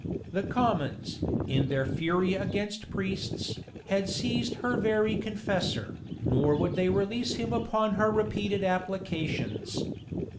The commons, in their fury against priests, had seized her very confessor, nor would they release him upon her repeated applications.